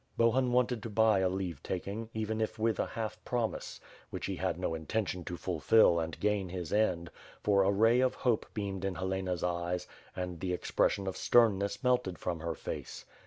Bohun wanted to buy a leave taking, even if with a half promise, which he had no intention to fulfil and gain his end, for a ray of hope beamed in Helena's eyes and the expression of sternness melted from her face.